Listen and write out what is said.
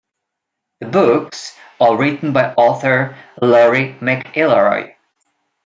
The books are written by author Laurie McElroy.